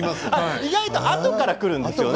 意外と、あとからくるんですよね。